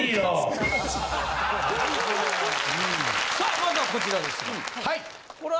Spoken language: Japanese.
さあまずはこちらですが。